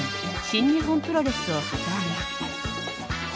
新日本プロレスを旗揚げ。